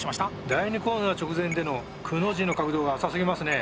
第２コーナー直前での「くの字」の角度が浅すぎますね。